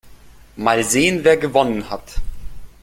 Mal sehen, wer gewonnen hat.